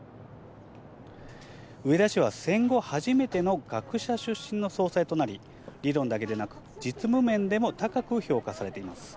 植田氏は戦後初めての学者出身の総裁となり、理論だけでなく、実務面でも高く評価されています。